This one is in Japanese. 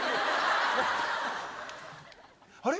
・あれ？